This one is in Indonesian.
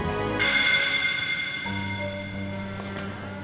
jadi waktu persedangan kasus andin